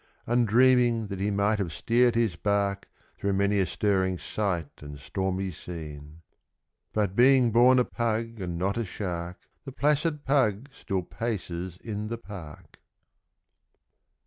Undreaming that he might have "steered his bark" `Through many a stirring sight and stormy scene. But being born a Pug and not a Shark The placid Pug still paces in the park.